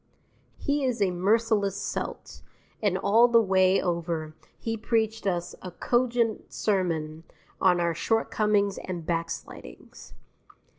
He is a merciless Celt, and all the way over he preached us a cogent sermon on our shortcomings and backslidings.